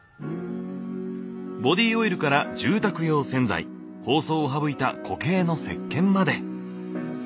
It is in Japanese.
ボディオイルから住宅用洗剤包装を省いた固形の石けんまで。